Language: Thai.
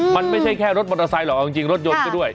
มันไม่ใช่แค่รถมอเตอร์ไซค์หรอกเอาจริงรถยนต์ก็ด้วย